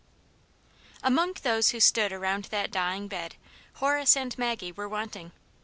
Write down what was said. AM ONG those who stood around that dying bed, Horace and Maggie were wanting.